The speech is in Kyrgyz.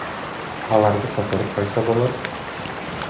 Аларды которуп койсо болот.